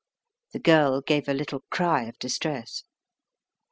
The girl gave a little cry of distress.